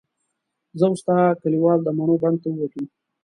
زه او استاد کلیوال د مڼو بڼ ته ووتو.